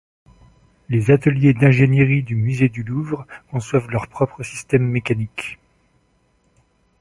Les ateliers d’ingénierie du musée du Louvre conçoivent leurs propres systèmes mécaniques.